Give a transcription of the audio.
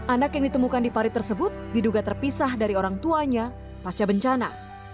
anak yang ditemukan di parit tersebut diduga terpisah dari orang tuanya pasca bencana